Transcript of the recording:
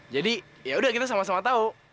jadi yaudah kita sama sama tau